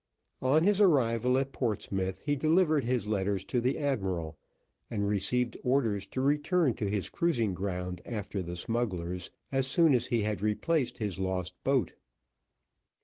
On his arrival at Portsmouth, he delivered his letters to the admiral, and received orders to return to his cruising ground after the smugglers as soon as he had replaced his lost boat.